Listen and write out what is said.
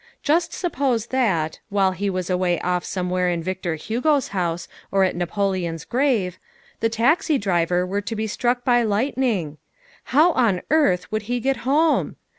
Just suppose that, while he was away off somewhere in Victor Hugo's house or at Napoleon's grave, the taxi driver were to be struck by lightning. How on earth would he get home?